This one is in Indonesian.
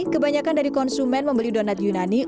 kebanyakan dari konsumen membeli donat yunani